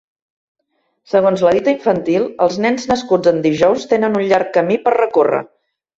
Segons la dita infantil, els nens nascuts en dijous tenen un llarg camí per recórrer